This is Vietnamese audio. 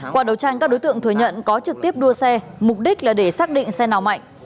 qua đấu tranh các đối tượng thừa nhận có trực tiếp đua xe mục đích là để xác định xe nào mạnh